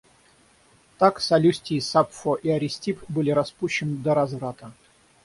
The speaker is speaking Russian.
Так, Салюстий, Сапфо и Аристипп были распущенны до разврата.